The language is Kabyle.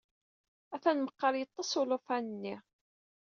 Atan meqqar yeṭṭes uṭufan-nni.